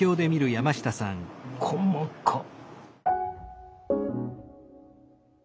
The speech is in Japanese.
細かっ！